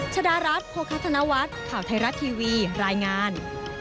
ชดารัฐโภคธนวัฒน์ข่าวไทยรัฐทีวีรายงาน